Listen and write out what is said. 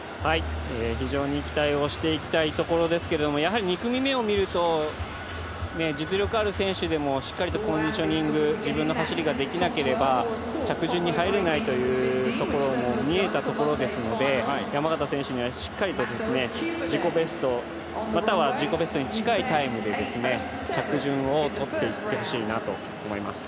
非常に期待をしていきたいところですけれど２組目を見ると実力ある選手でもしっかりコンディショニング、自分の走りができなければ着順に入れないというところを見れたところですので山縣選手にはしっかりと自己ベスト、または自己ベストに近いタイムで着順を取っていってほしいなと思います。